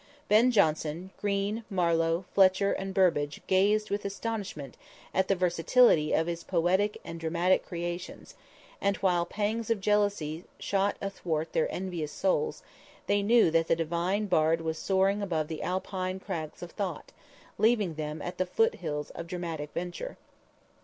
Ben Jonson, Greene, Marlowe, Fletcher and Burbage gazed with astonishment at the versatility of his poetic and dramatic creations, and while pangs of jealousy shot athwart their envious souls, they knew that the Divine Bard was soaring above the alpine crags of thought, leaving them at the foothills of dramatic venture.